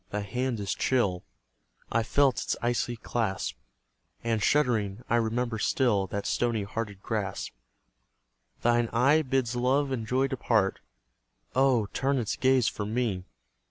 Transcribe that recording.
thy hand is chill: I've felt its icy clasp; And, shuddering, I remember still That stony hearted grasp. Thine eye bids love and joy depart: Oh, turn its gaze from me!